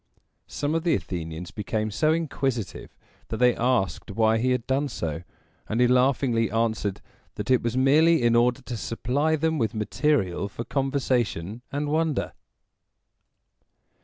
Some of the Athenians became so inquisitive that they asked why he had done so, and he laughingly answered that it was merely in order to supply them with material for conversation and wonder.